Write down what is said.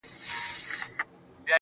که ژوند راکوې.